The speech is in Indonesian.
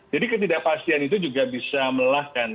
jadi ketidakpastian itu juga bisa melahkan